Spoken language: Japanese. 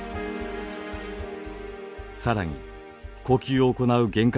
更に呼吸を行う原核